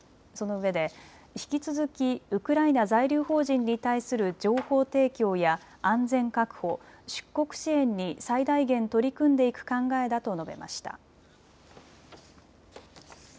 そのうえで引き続き、ウクライナ在留邦人に対する情報提供や安全確保、出国支援に最大限取り組んでいく考えだと述べました。